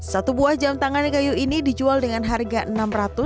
satu buah jam tangan kayu ini dijual dengan harga rp enam ratus